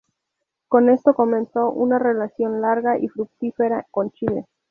Con esto comenzó una relación larga y fructífera con Chile.